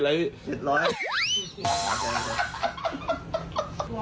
ไม่ใช่๗๐๐๐นะ